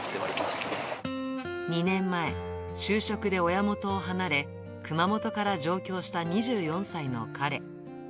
２年前、就職で親元を離れ、熊本から上京した２４歳の彼。